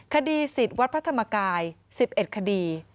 คดีสิทธิ์วัดพระธรรมกาย๑๑คดี